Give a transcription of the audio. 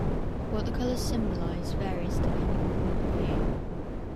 What the colours symbolise varies depending on point of view.